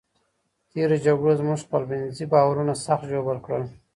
تېرو جګړو زموږ خپلمنځي باورونه سخت ژوبل کړل.